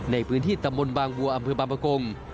ในพื้นที่ตำบลบางวัวอำเภอบางประกง